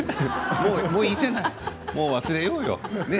もう忘れようよ。